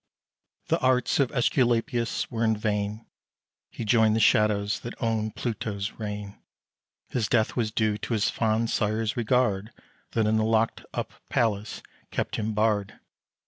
The arts of Æsculapius were in vain: He joined the shadows that own Pluto's reign. His death was due to his fond sire's regard, That in the locked up palace kept him barred.